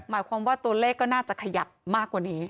หมายความว่าตัวเลขก็น่าจะขยับมากกว่านี้